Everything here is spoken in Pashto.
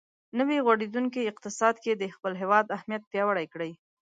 نوی غوړېدونکی اقتصاد کې د خپل هېواد اهمیت پیاوړی کړي.